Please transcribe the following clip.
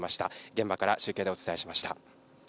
現場から中継でお伝えしました。